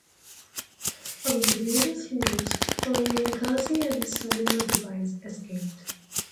Among the various leaders, only Ilghazi and his son-in-law Dubais escaped.